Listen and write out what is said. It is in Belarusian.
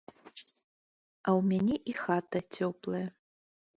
А ў мяне і хата цёплая.